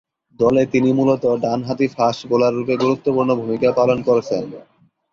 দলে তিনি মূলতঃ ডানহাতি ফাস্ট বোলাররূপে গুরুত্বপূর্ণ ভূমিকা পালন করছেন।